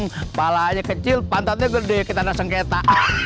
kepala aja kecil pantatnya gede kita ada sengketa